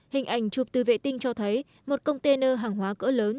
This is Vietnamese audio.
hình ảnh chụp từ vệ tinh cho thấy một container hàng hóa cỡ lớn